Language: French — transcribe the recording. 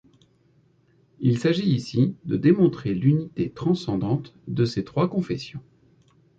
Il s'agit ici, de démontrer l'unité transcendante de ces trois confessions.